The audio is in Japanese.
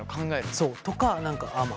そう。とか何かあまあ